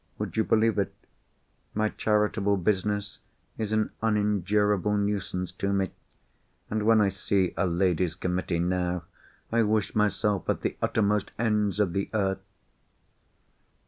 Would you believe it? My charitable business is an unendurable nuisance to me; and when I see a Ladies' Committee now, I wish myself at the uttermost ends of the earth!"